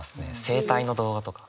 整体の動画とか。